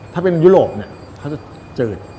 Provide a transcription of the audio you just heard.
ถ้าเป็นยุโรปเนี่ยเขาจะจืด